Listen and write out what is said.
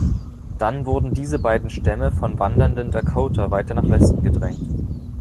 Dann wurden diese beiden Stämme von wandernden Dakota weiter nach Westen gedrängt.